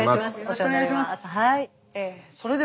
お世話になります。